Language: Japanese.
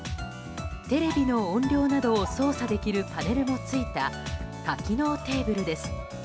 テレビの音量などを操作できるパネルもついた多機能テーブルです。